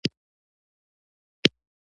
افغانستان وطن مې ډیر زیات ښکلی دی.